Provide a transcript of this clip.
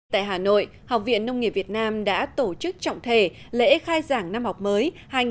tại hà nội học viện nông nghiệp việt nam đã tổ chức trọng thể lễ khai giảng năm học mới hai nghìn một mươi chín hai nghìn hai mươi